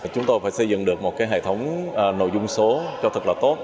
chúng tôi phải xây dựng được một hệ thống nội dung số cho thật là tốt